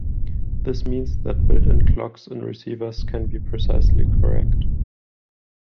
This means that built in clocks in receivers can be precisely correct.